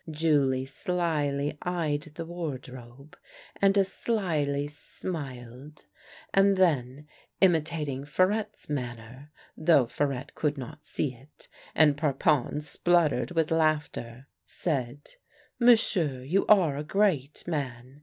Julie slyly eyed the wardrobe and as slyly smiled, and then, imitating Farette's manner — though Farette could not see it, and Parpon spluttered with laughter — said: " M'sieu', you are a great man.